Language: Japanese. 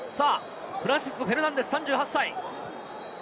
フランシスコ・フェルナンデス３８歳。